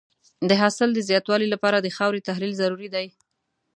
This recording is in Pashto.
د حاصل د زیاتوالي لپاره د خاورې تحلیل ضروري دی.